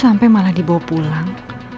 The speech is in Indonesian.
sampai malah dibawa pulang